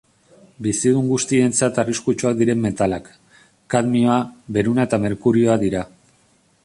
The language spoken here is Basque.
Bizidun guztientzat arriskutsuak diren metalak, kadmioa, beruna eta merkurioa dira.